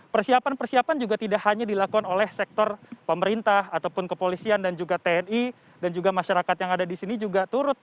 persiapan persiapan juga tidak hanya dilakukan oleh sektor pemerintah ataupun kepolisian dan juga tni dan juga masyarakat yang ada di sini juga turut